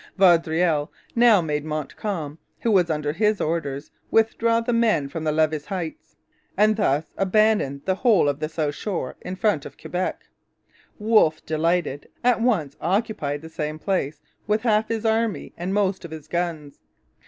Vaudreuil now made Montcalm, who was under his orders, withdraw the men from the Levis Heights, and thus abandon the whole of the south shore in front of Quebec. Wolfe, delighted, at once occupied the same place, with half his army and most of his guns.